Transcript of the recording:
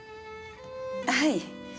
はい。